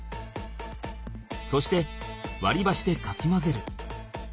そしてわりばしでかき混ぜる。